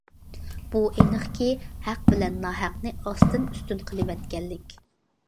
بۇ ئېنىقكى ھەق بىلەن ناھەقنى ئاستىن ئۈستۈن قىلىۋەتكەنلىك.